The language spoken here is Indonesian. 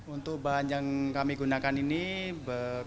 untuk bahan yang kami gunakan ini